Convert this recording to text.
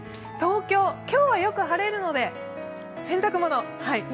東京、今日はよく晴れるので洗濯物を。